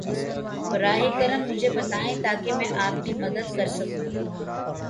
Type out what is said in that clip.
براہ کرم مجھے بتائیں تاکہ میں آپ کی مدد کر سکوں۔